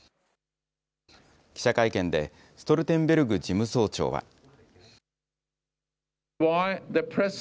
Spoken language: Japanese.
記者会見でストルテンベルグ事務総長は。